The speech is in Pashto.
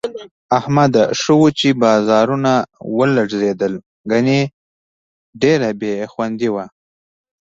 احمده! ښه وو چې بازارونه ولږېدل، گني ډېره بې خوندي وه.